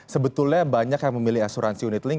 sebetulnya banyak yang memilih asuransi unitlink